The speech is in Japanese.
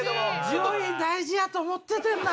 順位大事やと思っててんな。